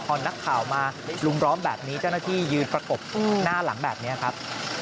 พอนักข่าวมาลุมล้อมแบบนี้เจ้าหน้าที่ยืนประกบหน้าหลังแบบนี้ครับ